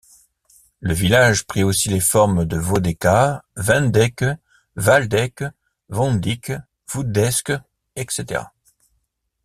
Le village prit aussi les formes de Wodeca, Wendeke, Waldeke, Wondike, Woudesques, etc.